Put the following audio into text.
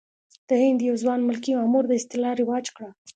د هند یو ځوان ملکي مامور دا اصطلاح رواج کړه.